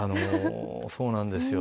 そうなんですよ。